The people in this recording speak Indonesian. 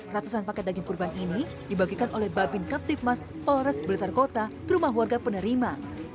ratusan paket daging kurban ini dibagikan oleh babin captive mask polores blitar kota rumah warga penerima